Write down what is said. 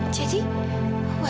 jadi wajahnya taufan udah sembuh dokter